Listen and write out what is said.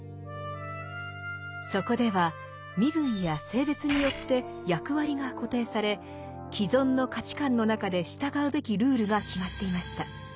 そこでは身分や性別によって役割が固定され既存の価値観の中で従うべきルールが決まっていました。